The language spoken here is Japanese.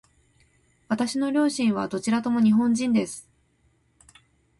私の両親はどちらとも日本人です。